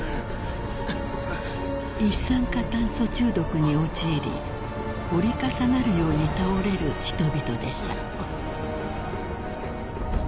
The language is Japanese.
［一酸化炭素中毒に陥り折り重なるように倒れる人々でした］